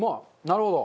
なるほど。